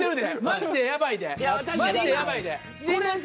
マジでやばいで。